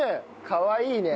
かわいいね。